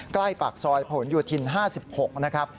ใกล้ปากซอยผลโยธิน๕๖นะครับ